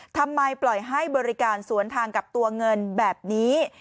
ทำไมปล่อยให้บริการสวนทางกับตัวเงินแบบนี้